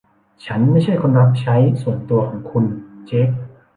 ฉันไม่ใช่คนรับใช้ส่วนตัวของคุณเจค